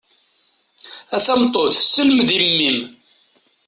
A tameṭṭut selmed i mmi-m!